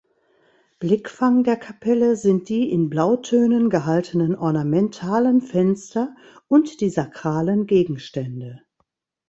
Blickfang der Kapelle sind die in Blautönen gehaltenen ornamentalen Fenster und die sakralen Gegenstände.